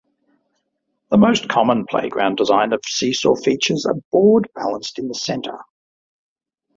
The most common playground design of seesaw features a board balanced in the center.